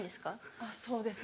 あっそうですね